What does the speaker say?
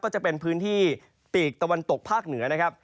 ก็จะเป็นพื้นที่ปีกตะวันตกภาคเหนือนะครับ